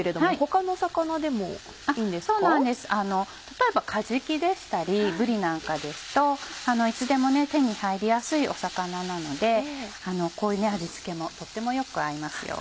例えばカジキでしたりブリなんかですといつでも手に入りやすい魚なのでこういう味付けもとってもよく合いますよ。